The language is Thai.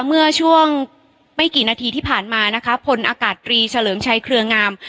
เมื่อช่วงไม่กี่นาทีที่ผ่านมานะคะพลอากาศตรีเฉลิมชัยเครืองาม